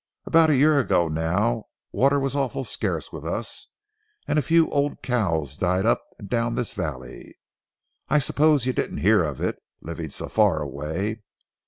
About a year ago now, water was awful scarce with us, and a few old cows died up and down this valley. I suppose you didn't hear of it, living so far away.